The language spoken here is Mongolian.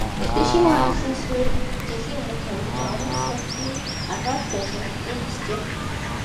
Гэхдээ шинэ хорооллын суурь жилийн өмнө тавигдаж, орон сууцны арваад байшин хэдийн босжээ.